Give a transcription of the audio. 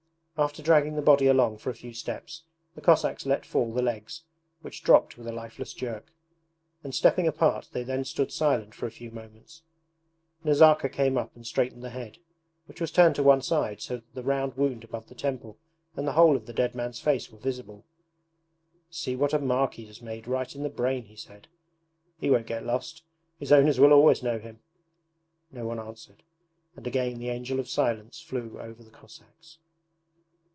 After dragging the body along for a few steps the Cossacks let fall the legs, which dropped with a lifeless jerk, and stepping apart they then stood silent for a few moments. Nazarka came up and straightened the head, which was turned to one side so that the round wound above the temple and the whole of the dead man's face were visible. 'See what a mark he has made right in the brain,' he said. 'He won't get lost. His owners will always know him!' No one answered, and again the Angel of Silence flew over the Cossacks.